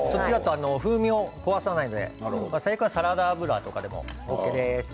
風味を壊さないのでサラダ油でもＯＫです。